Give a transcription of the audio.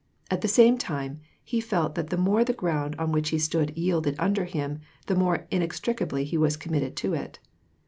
At the same time, he felt that the more the ground on which he stood yielded under him, the more inex tricably he was committed to it.